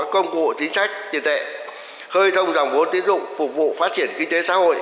công cụ chính sách tiền tệ khơi thông dòng vốn tiến dụng phục vụ phát triển kinh tế xã hội